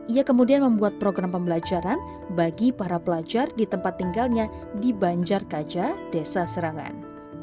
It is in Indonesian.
ia kemudian membuat program pembelajaran bagi para pelajar di tempat tinggalnya di banjar kaja desa serangan